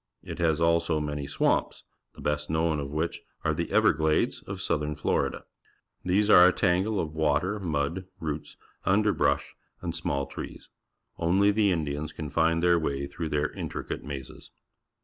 It has also many swamps, the best known of which are the Everglades of Southern Florida. These are a tangle of water, mud, roots, underl^rush^ and small trees. Only the Indians can find their way through their intricate mazes.